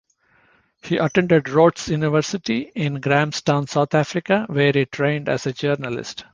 He attended Rhodes University in Grahamstown, South Africa, where he trained as a journalist.